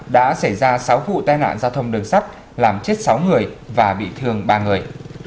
đã xảy ra sáu vụ tai nạn giao thông đường sắt làm chết sáu người và bị thương ba người